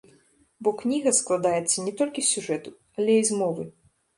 Бо кніга складаецца не толькі з сюжэту, але і з мовы.